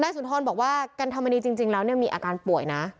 สุนทรบอกว่ากันธรรมนีจริงแล้วมีอาการป่วยนะ